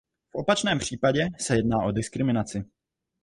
V opačném případě se jedná o diskriminaci.